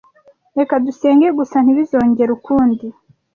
Reka dusenge gusa ntibizongere ukundi.